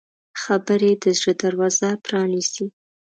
خبرې د زړه دروازه پرانیزي